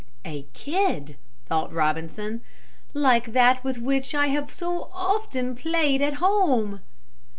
"A kid," thought Robinson, "like that with which I have so often played at home."